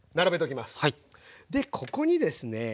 でここにですね